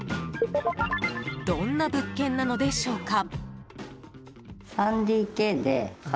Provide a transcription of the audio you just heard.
どんな物件なのでしょうか。